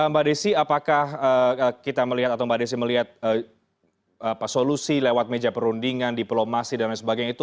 mbak desi apakah kita melihat atau mbak desi melihat solusi lewat meja perundingan diplomasi dan lain sebagainya itu